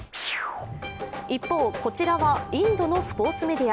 一方、こちらはインドのスポーツメディア。